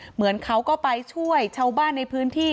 เหมือนเขาก็ไปช่วยชาวบ้านในพื้นที่